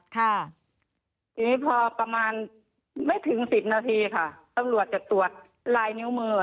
ทีนี้พอประมาณไม่ถึงสิบนาทีค่ะตำรวจจะตรวจลายนิ้วมือ